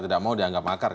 tidak mau dianggap akar